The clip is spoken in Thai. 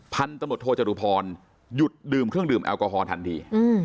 พันธุ์ตำรวจโทจรุพรหยุดดื่มเครื่องดื่มแอลกอฮอลทันที